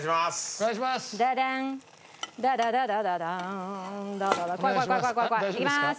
お願いします。